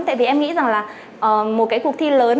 tại vì em nghĩ rằng là một cái cuộc thi lớn